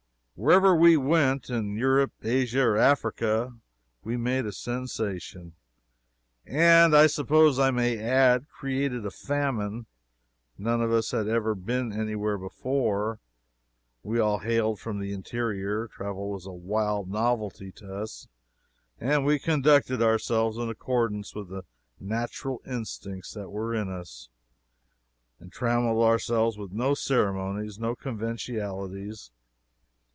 Wherever we went, in Europe, Asia, or Africa, we made a sensation, and, I suppose I may add, created a famine. None of us had ever been any where before; we all hailed from the interior; travel was a wild novelty to us, and we conducted ourselves in accordance with the natural instincts that were in us, and trammeled ourselves with no ceremonies, no conventionalities.